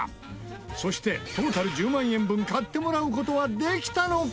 そして、トータル１０万円分買ってもらう事はできたのか？